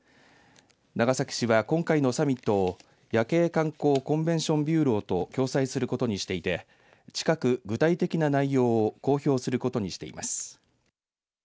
長崎市は今回のサミットを夜景観光コンベンション・ビューローと共催することにしていて近く、具体的な内容を公表することにしています。